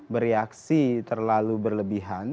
bereaksi terlalu berlebihan